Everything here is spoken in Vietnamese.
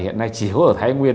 hiện nay chỉ có ở thái nguyên